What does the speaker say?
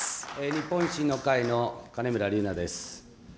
日本維新の会の金村龍那です。